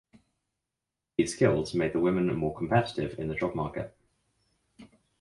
These skills made the women more competitive in the job market.